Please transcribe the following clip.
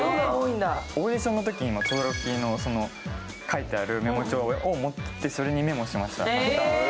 オーディションのとき轟が描いてあるメモ帳を持って、それにメモしてました。